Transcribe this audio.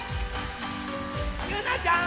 ゆうなちゃん！